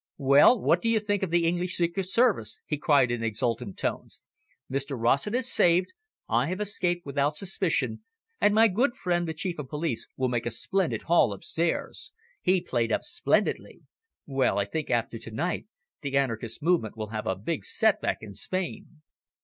"Well, what do you think of the English Secret Service?" he cried in exultant tones. "Mr Rossett is saved, I have escaped without suspicion, and my good friend the Chief of Police will make a splendid haul upstairs. He played up splendidly. Well, I think, after to night the anarchist movement will have a big set back in Spain."